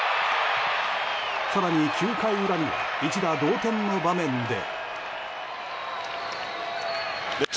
更に９回裏には一打同点の場面で。